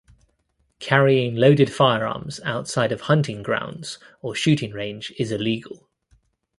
Carrying loaded firearms outside of hunting grounds or shooting range is illegal.